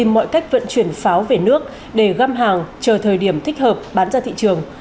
mọi cách vận chuyển pháo về nước để găm hàng chờ thời điểm thích hợp bán ra thị trường